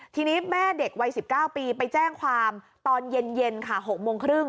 ทีนี้แม่เด็กวัย๑๙ปีไปแจ้งความตอนเย็นค่ะ๖โมงครึ่ง